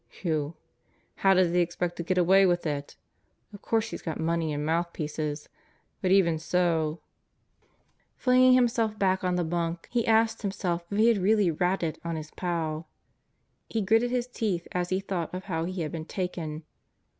Whew! How does he expect to get away with it? Of course he's got money and mouthpieces. But even so ..." Flinging himself back on the bunk he asked himself if he had really "ratted" on his pal. He gritted his teeth as he thought of how he had been taken.